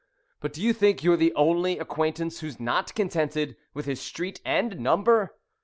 "But do you think you're the only acquaintance who's not contented with his street and number?